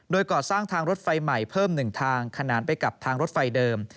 โดยก่อสร้างทางรถไฟใหม่เพิ่ม๑ทางขนานไปกับทางรถไฟเดิม